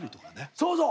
そうそう。